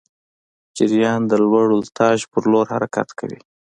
جریان د لوړ ولتاژ پر لور حرکت کوي.